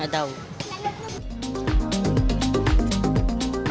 mereka juga berpengalaman